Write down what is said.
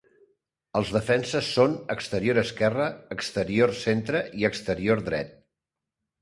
Els defenses són exterior esquerre, exterior centre i exterior dret.